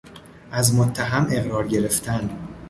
از متهم اقرار گرفتن